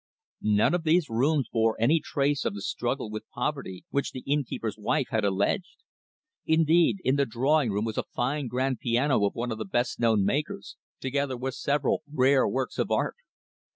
None of these rooms bore any trace of the struggle with poverty which the innkeeper's wife had alleged. Indeed, in the drawing room was a fine grand piano of one of the best known makers, together with several rare works of art.